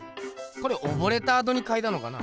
これ溺れたあとにかいたのかな？